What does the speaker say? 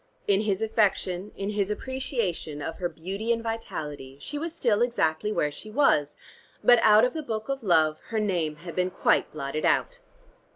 In his affection, in his appreciation of her beauty and vitality she was still exactly where she was, but out of the book of love her name had been quite blotted out.